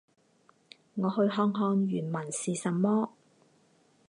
我去看看原文是什么。